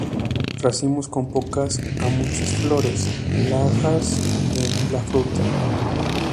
Racimos con pocas a muchas flores, laxas en la fruta.